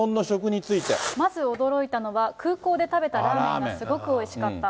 まず驚いたのは、空港で食べたラーメンがすごくおいしかった。